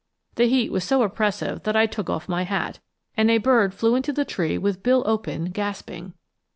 The heat was so oppressive that I took off my hat, and a bird flew into the tree with bill open, gasping.